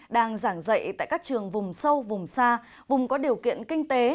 đang giảng dạy tại các trường vùng sâu vùng xa vùng có điều kiện kinh tế